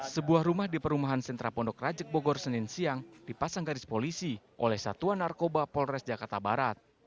sebuah rumah di perumahan sentra pondok rajek bogor senin siang dipasang garis polisi oleh satuan narkoba polres jakarta barat